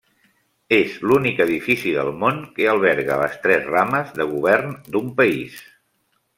És l'únic edifici del món que alberga les tres rames de govern d'un país.